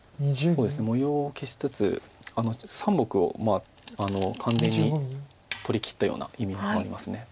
模様を消しつつあの３目を完全に取りきったような意味もあります。